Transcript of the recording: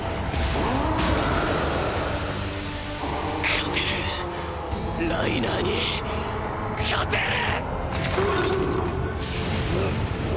勝てるライナーに勝てる！！